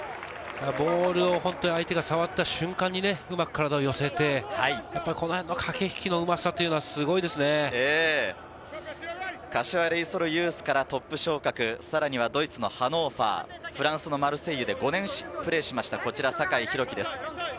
ボールを相手が触った瞬間にうまく体を寄せてこのへんの駆け引きのうまさというのは、柏レイソルユースからトップ昇格、さらにはドイツのハノーファー、フランスのマルセイユで５年プレーしました、酒井宏樹です。